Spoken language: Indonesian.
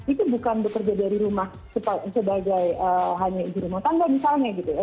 itu bukan bekerja dari rumah sebagai hanya ibu rumah tangga misalnya gitu ya